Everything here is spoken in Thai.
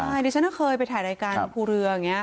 ใช่ดิฉันก็เคยไปถ่ายรายการภูเรืออย่างนี้